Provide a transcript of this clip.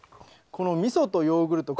このみそとヨーグルト